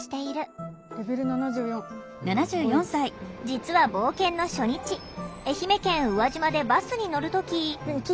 実は冒険の初日愛媛県宇和島でバスに乗る時。